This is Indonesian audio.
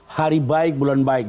hari baik bulan baik